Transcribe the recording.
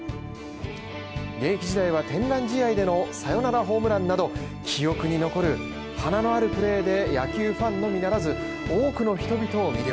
現役時代は天覧試合でのサヨナラホームランなど記憶に残る華のあるプレーで野球ファンのみならず多くの人々を魅了。